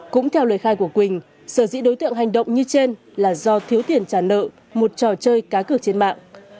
cũng theo lời khai của quỳnh sở dĩ đối tượng hành động như trên là do thiếu tiền trả nợ một trò chơi cá cược trên mạng